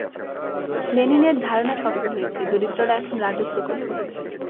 লেনিনের ধারণা সত্য হয়েছে, দরিদ্ররা এখন রাজত্ব করবে।